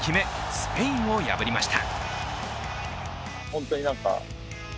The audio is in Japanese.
スペインを破りました。